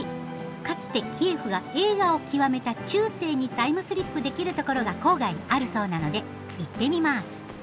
かつてキエフが栄華を極めた中世にタイムスリップできるところが郊外にあるそうなので行ってみます。